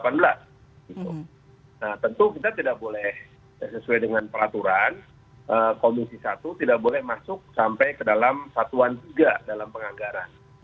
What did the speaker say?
nah tentu kita tidak boleh sesuai dengan peraturan komisi satu tidak boleh masuk sampai ke dalam satuan tiga dalam penganggaran